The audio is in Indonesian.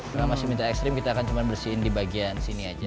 kalau masih minta ekstrim kita akan cuma bersihin di bagian sini aja